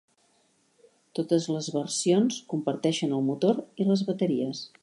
Totes les versions comparteixen el motor i les bateries.